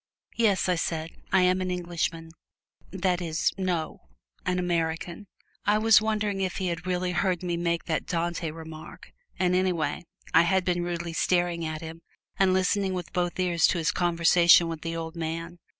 "Yes," I said; "I am an Englishman that is, no an American!" I was wondering if he had really heard me make that Dante remark; and anyway, I had been rudely staring at him and listening with both ears to his conversation with the old man.